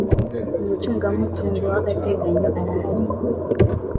umucungamutungo wagateganyo arahari.